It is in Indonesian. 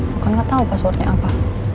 mungkin gak tau passwordnya apa